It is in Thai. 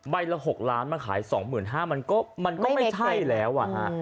ละ๖ล้านมาขาย๒๕๐๐บาทมันก็ไม่ใช่แล้วอ่ะฮะ